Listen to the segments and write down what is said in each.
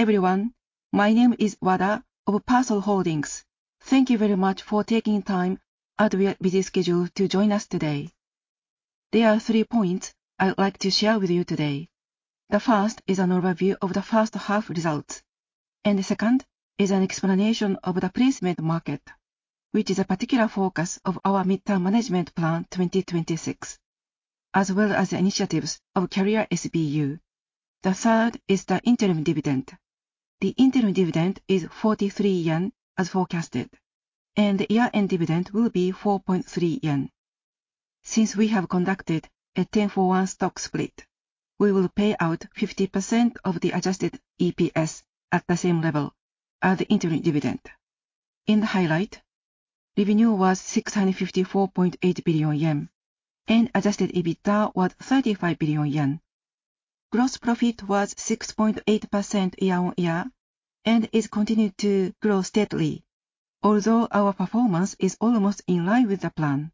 Hello, everyone. My name is Wada of Persol Holdings. Thank you very much for taking time out of your busy schedule to join us today. There are three points I would like to share with you today. The first is an overview of the first half results, and the second is an explanation of the placement market, which is a particular focus of our midterm management plan 2026, as well as the initiatives of Career SBU. The third is the interim dividend. The interim dividend is 43 yen, as forecasted, and the year-end dividend will be 4.3 yen. Since we have conducted a 10-for-1 stock split, we will pay out 50% of the adjusted EPS at the same level as the interim dividend. In the highlight, revenue was 654.8 billion yen, and adjusted EBITDA was 35 billion yen. Gross profit was 6.8% year-on-year and is continuing to grow steadily. Although our performance is almost in line with the plan,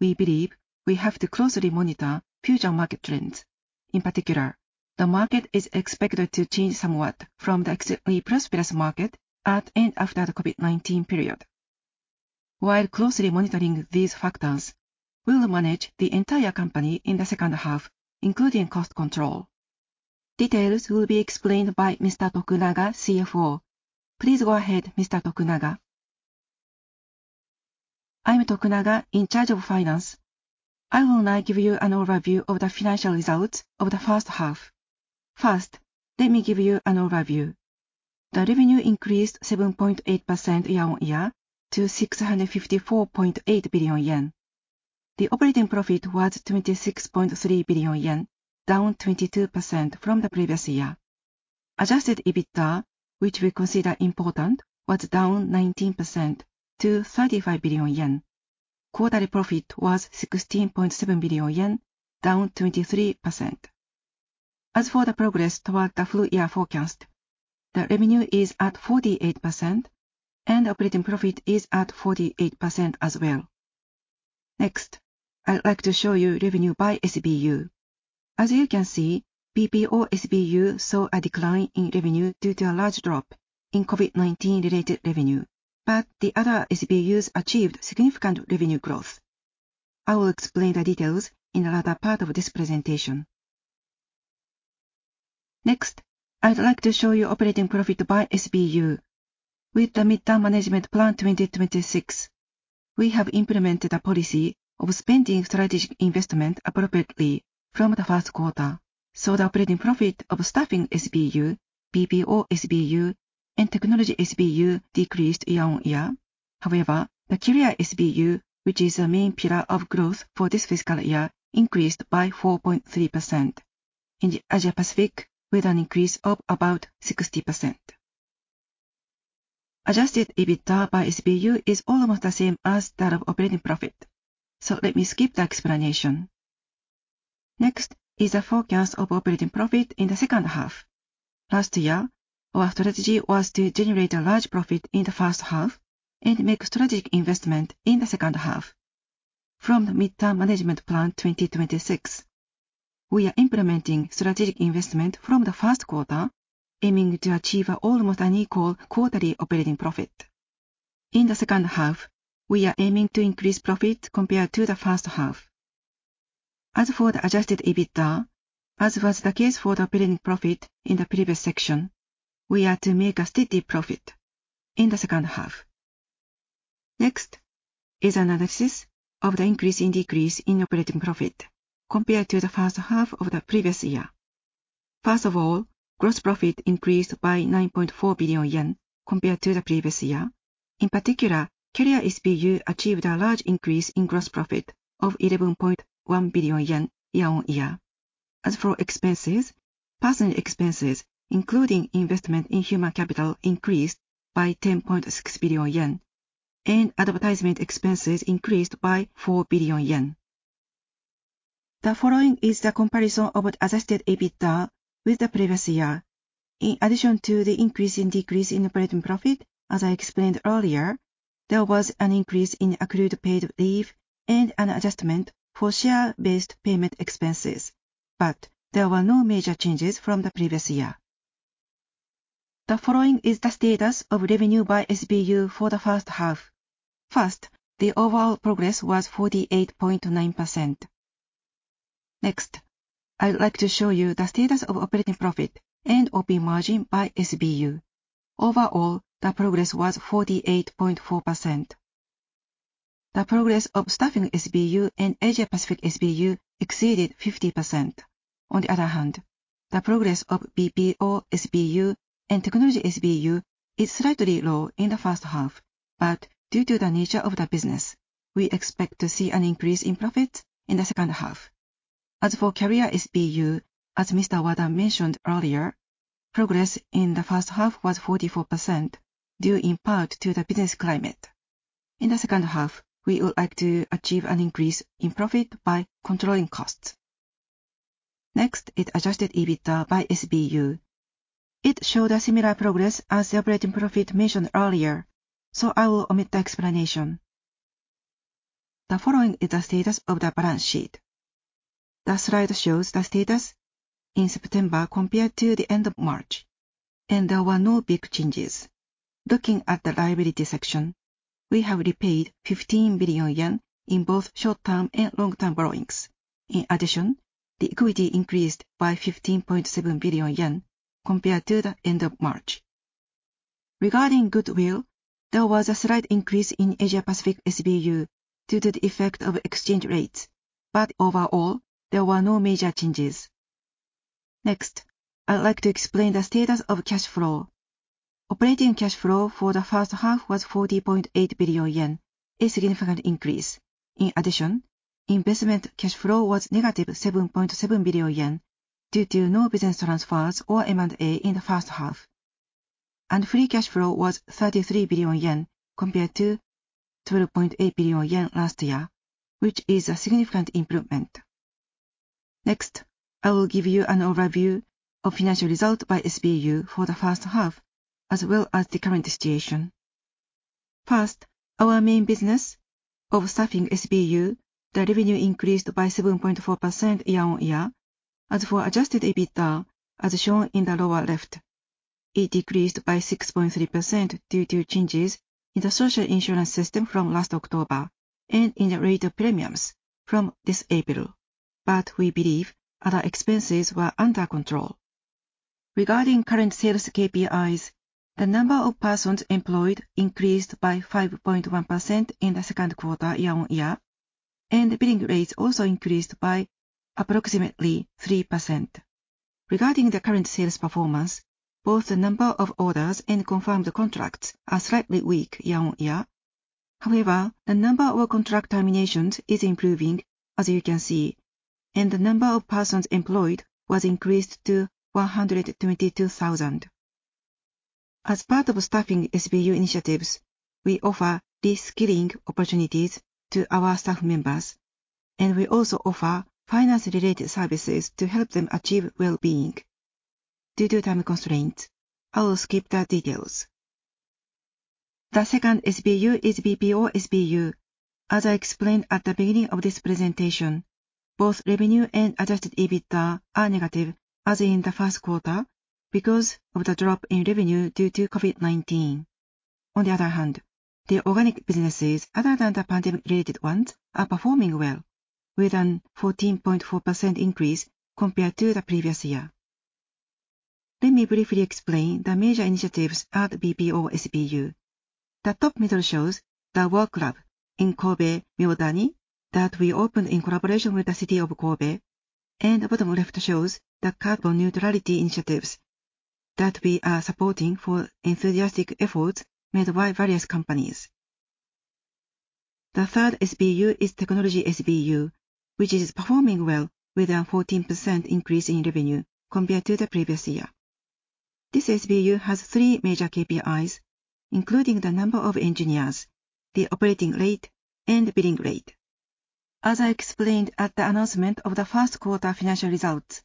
we believe we have to closely monitor future market trends. In particular, the market is expected to change somewhat from the extremely prosperous market at and after the COVID-19 period. While closely monitoring these factors, we'll manage the entire company in the second half, including cost control. Details will be explained by Mr. Tokunaga, CFO. Please go ahead, Mr. Tokunaga. I'm Tokunaga, in charge of finance. I will now give you an overview of the financial results of the first half. First, let me give you an overview. The revenue increased 7.8% year-on-year to 654.8 billion yen. The operating profit was 26.3 billion yen, down 22% from the previous year. Adjusted EBITDA, which we consider important, was down 19% to 35 billion yen. Quarterly profit was 16.7 billion yen, down 23%. As for the progress toward the full year forecast, the revenue is at 48%, and operating profit is at 48% as well. Next, I'd like to show you revenue by SBU. As you can see, BPO SBU saw a decline in revenue due to a large drop in COVID-19-related revenue, but the other SBUs achieved significant revenue growth. I will explain the details in another part of this presentation. Next, I'd like to show you operating profit by SBU. With the midterm management plan 2026, we have implemented a policy of spending strategic investment appropriately from the first quarter, so, the operating profit of Staffing SBU, BPO SBU, and Technology SBU decreased year-on-year. However, the Career SBU, which is a main pillar of growth for this fiscal year, increased by 4.3%. In the Asia Pacific, with an increase of about 60%. Adjusted EBITDA by SBU is almost the same as that of operating profit, so, let me skip the explanation. Next is a forecast of operating profit in the second half. Last year, our strategy was to generate a large profit in the first half and make strategic investment in the second half. From the midterm management plan 2026, we are implementing strategic investment from the first quarter, aiming to achieve an almost unequal quarterly operating profit. In the second half, we are aiming to increase profit compared to the first half. As for the Adjusted EBITDA, as was the case for the operating profit in the previous section, we are to make a steady profit in the second half. Next is analysis of the increase and decrease in operating profit compared to the first half of the previous year. First of all, gross profit increased by 9.4 billion yen compared to the previous year. In particular, Career SBU achieved a large increase in gross profit of 11.1 billion yen year-on-year. As for expenses, personal expenses, including investment in human capital, increased by 10.6 billion yen, and advertisement expenses increased by 4 billion yen. The following is the comparison of Adjusted EBITDA with the previous year. In addition to the increase and decrease in operating profit, as I explained earlier, there was an increase in accrued paid leave and an adjustment for share-based payment expenses, but there were no major changes from the previous year. The following is the status of revenue by SBU for the first half. First, the overall progress was 48.9%. Next, I'd like to show you the status of operating profit and operating margin by SBU. Overall, the progress was 48.4%. The progress of Staffing SBU and Asia Pacific SBU exceeded 50%. On the other hand, the progress of BPO SBU and Technology SBU is slightly low in the first half, but due to the nature of the business, we expect to see an increase in profit in the second half. As for Career SBU, as Mr. Wada mentioned earlier, progress in the first half was 44%, due in part to the business climate. In the second half, we would like to achieve an increase in profit by controlling costs. Next is adjusted EBITDA by SBU. It showed a similar progress as the operating profit mentioned earlier, so, I will omit the explanation. The following is the status of the balance sheet. The slide shows the status in September compared to the end of March, and there were no big changes. Looking at the liability section, we have repaid 15 billion yen in both short-term and long-term borrowings. In addition, the equity increased by 15.7 billion yen compared to the end of March. Regarding goodwill, there was a slight increase in Asia Pacific SBU due to the effect of exchange rates, but overall, there were no major changes. Next, I'd like to explain the status of cash flow. Operating cash flow for the first half was 40.8 billion yen, a significant increase. In addition, investment cash flow was -7.7 billion yen due to no business transfers or M&A in the first half, and free cash flow was 33 billion yen compared to 12.8 billion yen last year, which is a significant improvement. Next, I will give you an overview of financial results by SBU for the first half, as well as the current situation. First, our main business of Staffing SBU, the revenue increased by 7.4% year-on-year. As for Adjusted EBITDA, as shown in the lower left, it decreased by 6.3% due to changes in the social insurance system from last October and in the rate of premiums from this April. But we believe other expenses were under control. Regarding current sales KPIs, the number of persons employed increased by 5.1% in the second quarter year-on-year, and the billing rates also increased by approximately 3%. Regarding the current sales performance, both the number of orders and confirmed contracts are slightly weak year-on-year. However, the number of contract terminations is improving, as you can see, and the number of persons employed was increased to 122,000. As part of Staffing SBU initiatives, we offer reskilling opportunities to our staff members, and we also offer finance-related services to help them achieve well-being. Due to time constraints, I will skip the details. The second SBU is BPO SBU. As I explained at the beginning of this presentation, both revenue and adjusted EBITDA are negative, as in the first quarter, because of the drop in revenue due to COVID-19. On the other hand, the organic businesses other than the pandemic-related ones are performing well, with a 14.4% increase compared to the previous year. Let me briefly explain the major initiatives at BPO SBU. The top middle shows the Work Lab in Kobe, Myodani, that we opened in collaboration with the city of Kobe, and the bottom left shows the carbon neutrality initiatives that we are supporting for enthusiastic efforts made by various companies. The third SBU is Technology SBU, which is performing well with a 14% increase in revenue compared to the previous year. This SBU has three major KPIs, including the number of engineers, the operating rate, and billing rate. As I explained at the announcement of the first quarter financial results,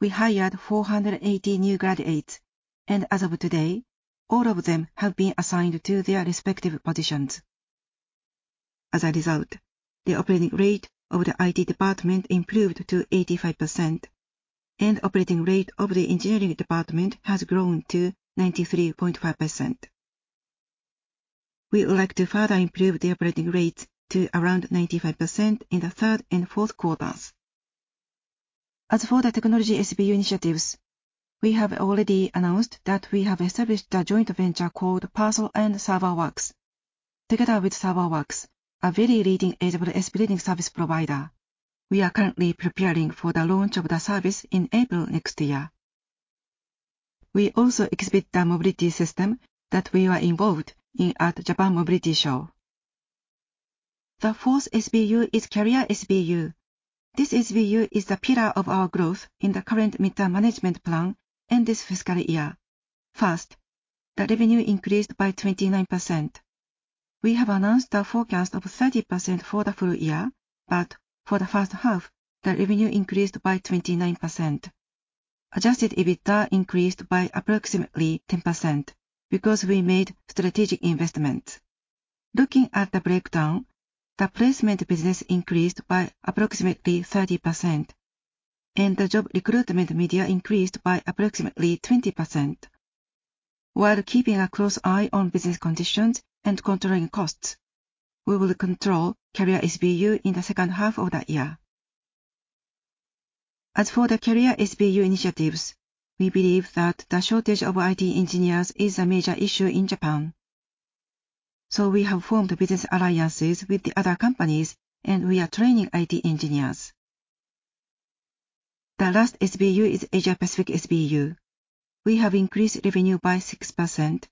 we hired 480 new graduates, and as of today, all of them have been assigned to their respective positions. As a result, the operating rate of the IT department improved to 85%, and operating rate of the engineering department has grown to 93.5%. We would like to further improve the operating rates to around 95% in the third and fourth quarters. As for the Technology SBU initiatives, we have already announced that we have established a joint venture called PERSOL and Serverworks. Together with Serverworks, a very leading AWS billing service provider, we are currently preparing for the launch of the service in April next year. We also exhibit the mobility system that we are involved in at Japan Mobility Show. The fourth SBU is Career SBU. This SBU is the pillar of our growth in the current midterm management plan and this fiscal year. First, the revenue increased by 29%. We have announced a forecast of 30% for the full year, but for the first half, the revenue increased by 29%. Adjusted EBITDA increased by approximately 10% because we made strategic investments. Looking at the breakdown, the placement business increased by approximately 30%, and the job recruitment media increased by approximately 20%. While keeping a close eye on business conditions and controlling costs, we will control Career SBU in the second half of the year. As for the Career SBU initiatives, we believe that the shortage of IT engineers is a major issue in Japan, so we have formed business alliances with the other companies, and we are training IT engineers. The last SBU is Asia Pacific SBU. We have increased revenue by 6%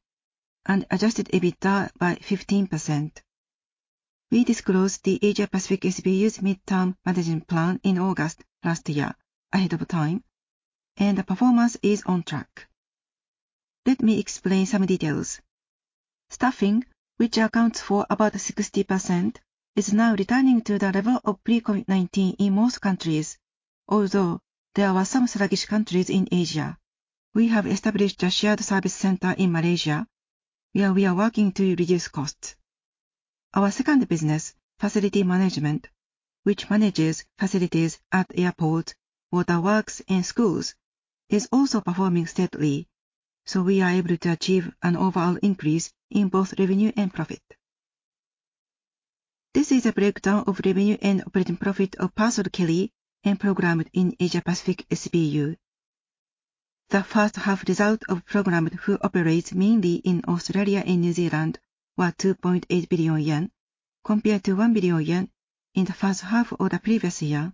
and Adjusted EBITDA by 15%. We disclosed the Asia Pacific SBU's midterm management plan in August last year ahead of time, and the performance is on track. Let me explain some details. Staffing, which accounts for about 60%, is now returning to the level of pre-COVID-19 in most countries, although there were some sluggish countries in Asia.... We have established a shared service center in Malaysia, where we are working to reduce costs. Our second business, facility management, which manages facilities at airports, waterworks, and schools, is also performing steadily, so, we are able to achieve an overall increase in both revenue and profit. This is a breakdown of revenue and operating profit of PERSOLKELLY and Programmed in Asia Pacific SBU. The first half result of Programmed, who operates mainly in Australia and New Zealand, were 2.8 billion yen, compared to 1 billion yen in the first half of the previous year,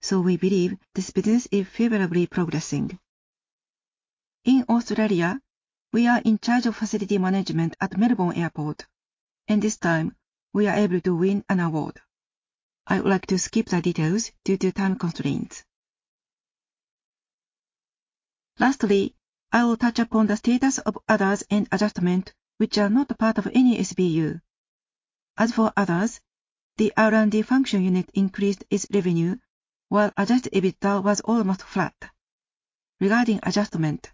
so, we believe this business is favorably progressing. In Australia, we are in charge of facility management at Melbourne Airport, and this time, we are able to win an award. I would like to skip the details due to time constraints. Lastly, I will touch upon the status of others and adjustment which are not a part of any SBU. As for others, the R&D function unit increased its revenue, while adjusted EBITDA was almost flat. Regarding adjustment,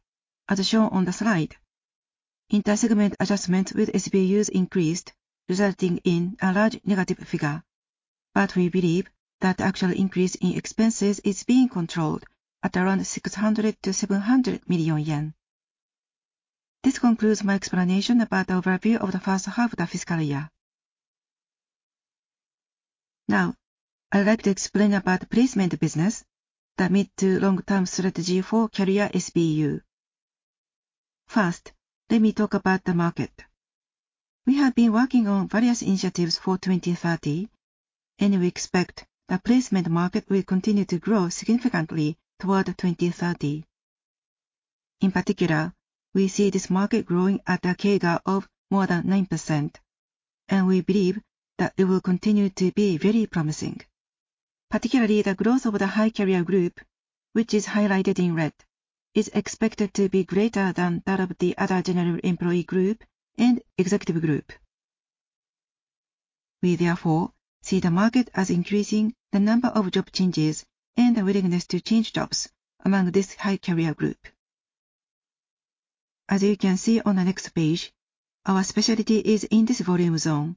as shown on the slide, inter-segment adjustments with SBUs increased, resulting in a large negative figure. But we believe that the actual increase in expenses is being controlled at around 600 million-700 million yen. This concludes my explanation about the overview of the first half of the fiscal year. Now, I'd like to explain about the placement business, the mid- to long-term strategy for Career SBU. First, let me talk about the market. We have been working on various initiatives for 2030, and we expect the placement market will continue to grow significantly toward 2030. In particular, we see this market growing at a CAGR of more than 9%, and we believe that it will continue to be very promising. Particularly, the growth of the high career group, which is highlighted in red, is expected to be greater than that of the other general employee group and executive group. We therefore see the market as increasing the number of job changes and the willingness to change jobs among this high career group. As you can see on the next page, our specialty is in this volume zone,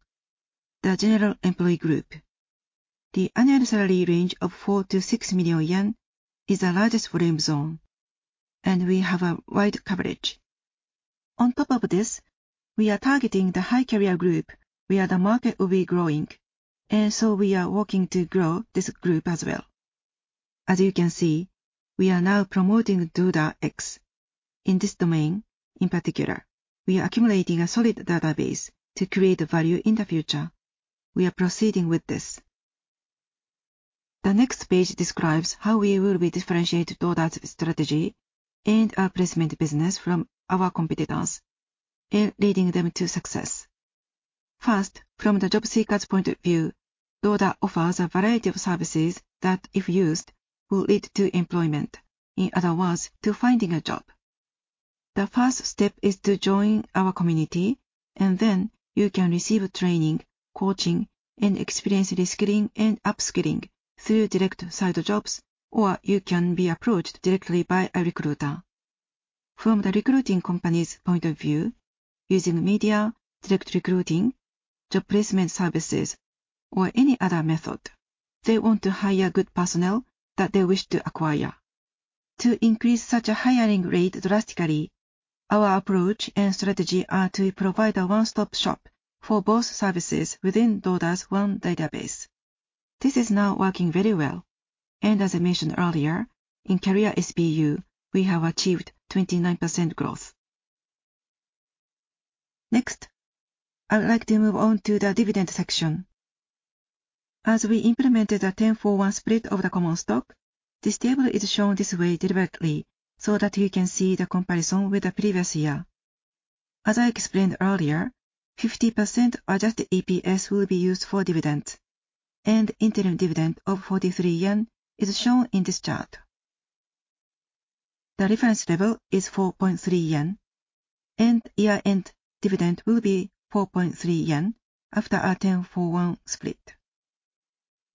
the general employee group. The annual salary range of 4 million-6 million yen is the largest volume zone, and we have a wide coverage. On top of this, we are targeting the high career group, where the market will be growing, and so, we are working to grow this group as well. As you can see, we are now promoting doda X. In this domain, in particular, we are accumulating a solid database to create value in the future. We are proceeding with this. The next page describes how we will differentiate doda's strategy and our placement business from our competitors in leading them to success. First, from the job seeker's point of view, doda offers a variety of services that, if used, will lead to employment, in other words, to finding a job. The first step is to join our community, and then you can receive training, coaching, and experience reskilling and upskilling through direct side jobs, or you can be approached directly by a recruiter. From the recruiting company's point of view, using media, direct recruiting, job placement services, or any other method, they want to hire good personnel that they wish to acquire. To increase such a hiring rate drastically, our approach and strategy are to provide a one-stop shop for both services within doda's one database. This is now working very well, and as I mentioned earlier, in Career SBU, we have achieved 29% growth. Next, I would like to move on to the dividend section. As we implemented a 10-for-1 split of the common stock, this table is shown this way deliberately so, that you can see the comparison with the previous year. As I explained earlier, 50% Adjusted EPS will be used for dividends, and interim dividend of 43 yen is shown in this chart. The reference level is 4.3 yen, and year-end dividend will be 4.3 yen after our 10-for-1 split.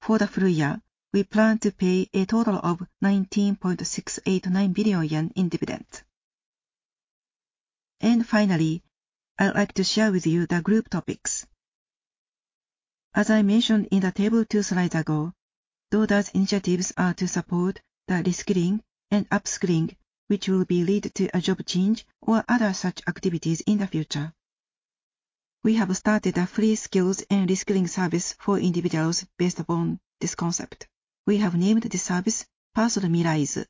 For the full year, we plan to pay a total of 19.689 billion yen in dividends. And finally, I'd like to share with you the group topics. As I mentioned in the table 2 slides ago, doda’s initiatives are to support the reskilling and upskilling, which will be lead to a job change or other such activities in the future. We have started a free skills and reskilling service for individuals based upon this concept. We have named this service PERSOL MIRAIZ.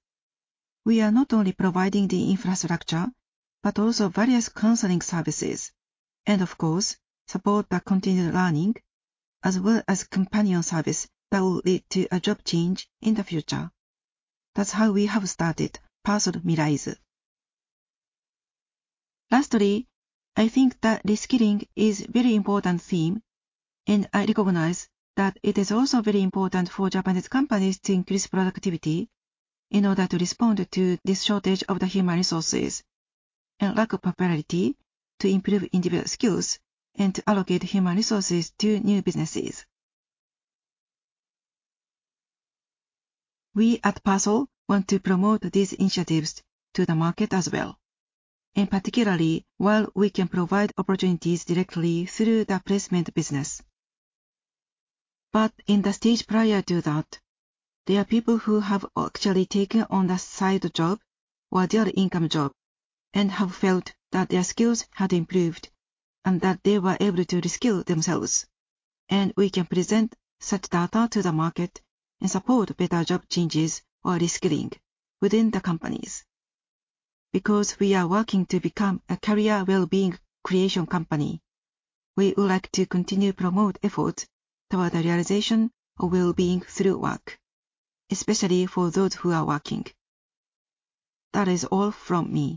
We are not only providing the infrastructure, but also various counseling services, and of course, support the continued learning, as well as companion service that will lead to a job change in the future. That's how we have started PERSOL MIRAIZ. Lastly, I think that reskilling is very important theme, and I recognize that it is also very important for Japanese companies to increase productivity in order to respond to this shortage of the human resources and lack of popularity, to improve individual skills and to allocate human resources to new businesses. We at PERSOL want to promote these initiatives to the market as well, and particularly, while we can provide opportunities directly through the placement business. But in the stage prior to that, there are people who have actually taken on a side job or dual income job and have felt that their skills had improved and that they were able to reskill themselves. And we can present such data to the market and support better job changes or reskilling within the companies. Because we are working to become a career well-being creation company, we would like to continue promote efforts toward the realization of well-being through work, especially for those who are working. That is all from me.